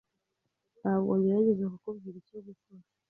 Ntabwo ngerageza kukubwira icyo gukora.